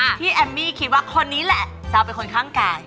แจอมเป็นคนข้างกลาง